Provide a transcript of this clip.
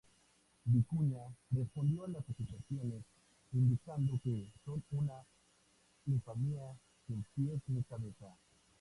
Vicuña respondió a las acusaciones indicando que son una "infamia sin pies ni cabeza".